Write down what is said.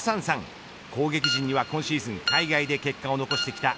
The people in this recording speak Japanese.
攻撃陣には今シーズン海外で結果を残してきた。